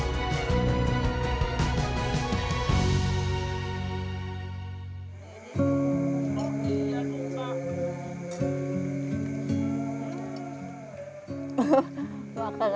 makan ada apa apanya